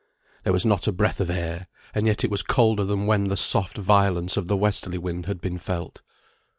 There was not a breath of air, and yet it was colder than when the soft violence of the westerly wind had been felt.